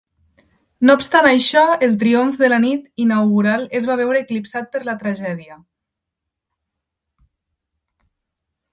No obstant això, el triomf de la nit inaugural es va veure eclipsat per la tragèdia.